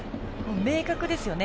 明確ですよね。